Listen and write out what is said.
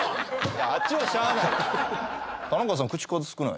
あっちはしゃあない。